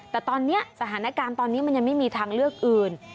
มันนี่มันยังไม่มีทางเลือกอื่น